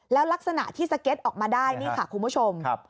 แล้วลักษณะที่สเก็ตออกมาได้นี่ค่ะคุณผู้ชม